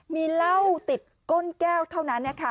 มีเหล้าติดก้นแก้วเท่านั้น